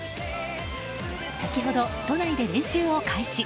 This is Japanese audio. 先ほど、都内で練習を開始。